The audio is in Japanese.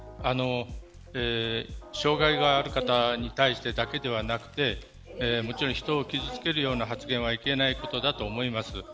障害がある方に対してだけではなくてもちろん、人を傷つけるような発言はいけないことだと思います。